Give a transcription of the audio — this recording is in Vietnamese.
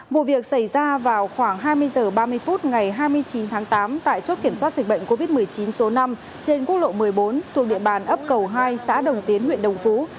vụ việc xảy ra vào khoảng hai mươi h ba mươi phút ngày hai mươi chín tháng tám tại chốt kiểm soát dịch bệnh covid một mươi chín số năm trên quốc lộ một mươi bốn thuộc địa bàn ấp cầu hai xã đồng tiến huyện đồng phú